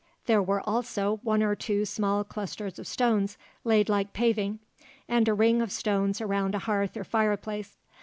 There were also one or two small clusters of stones laid like paving, and a ring of stones around a hearth or fireplace.